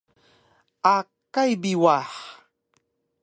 Akay bi wah